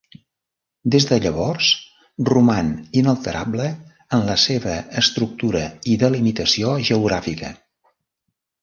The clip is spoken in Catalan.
Des de llavors roman inalterable en la seva estructura i delimitació geogràfica.